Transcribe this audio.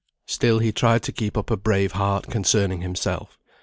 Still he tried to keep up a brave heart concerning himself.